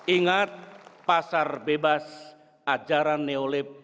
ingat pasar bebas ajaran neolib